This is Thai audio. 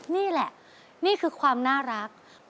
นี่แหละนี่คือความน่ารัก